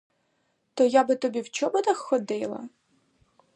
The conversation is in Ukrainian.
То я би тобі в чоботах ходила?